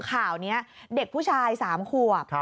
ข่าวนี้เด็กผู้ชาย๓ขวบ